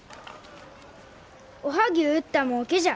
おはぎゅう売ったもうけじゃ。